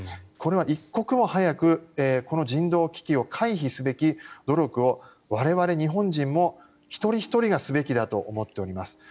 これは一刻も早く人道危機を回避すべき努力を我々日本人も一人ひとりがすべきだと思っております。